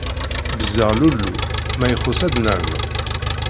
Beẓẓeε lullu, ma ixuṣ ad d-nernu.